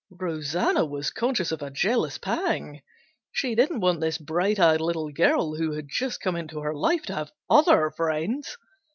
Rosanna was conscious of a jealous pang. She didn't want this bright eyed little girl who had just come into her life to have other friends.